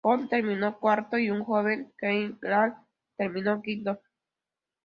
Knox terminó cuarto y, un joven, Kelly Slater terminó quinto.